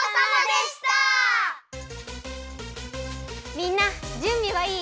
みんなじゅんびはいい？